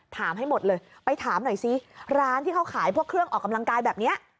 ให้หมดเลยไปถามหน่อยซิร้านที่เขาขายพวกเครื่องออกกำลังกายแบบนี้